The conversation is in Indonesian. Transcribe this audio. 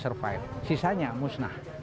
amerika indonesia hanya tiga belas ak bagus